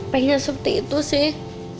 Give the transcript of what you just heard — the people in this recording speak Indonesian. pengen seperti itu sih